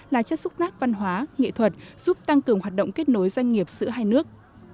là chất xúc nác văn hóa nghệ thuật giúp tăng cường hoạt động kết nối doanh nghiệp giữa hai nước